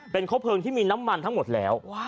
เป็นครบเพลิงที่มีน้ำมันทั้งหมดแล้ว